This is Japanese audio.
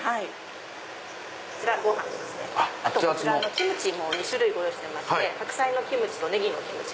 キムチ２種類ご用意してまして白菜のキムチとネギのキムチ。